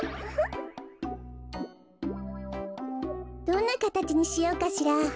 どんなかたちにしようかしら。